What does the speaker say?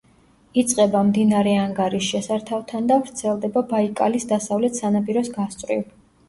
იწყება მდინარე ანგარის შესართავთან და ვრცელდება ბაიკალის დასავლეთ სანაპიროს გასწვრივ.